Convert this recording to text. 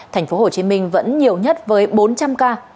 thành phố hồ chí minh vẫn nhiều nhất với bốn trăm linh ca